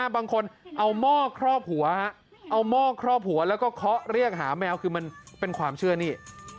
บางคนเอาหม้อครอบหัวเอาหม้อครอบหัวแล้วก็เคาะเรียกหาแมวคือมันเป็นความเชื่อนี่